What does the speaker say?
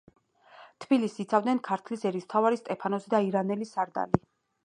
თბილისს იცავდნენ ქართლის ერისმთავარი სტეფანოზი და ირანელი სარდალი.